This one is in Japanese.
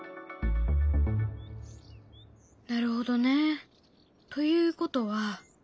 なるほどね。ということは。